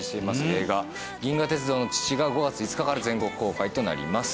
映画『銀河鉄道の父』が５月５日から全国公開となります。